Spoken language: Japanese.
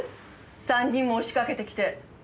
３人も押しかけてきて。